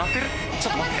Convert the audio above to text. ちょっと待って。